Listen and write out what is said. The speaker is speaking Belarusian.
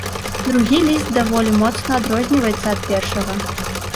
Другі ліст даволі моцна адрозніваецца ад першага.